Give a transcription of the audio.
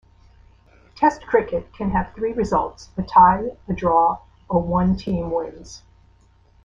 Test cricket can have three results: a tie, a draw, or one team wins.